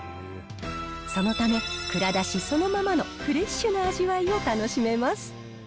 そのため、蔵出しそのままのフレッシュな味わいを楽しめます。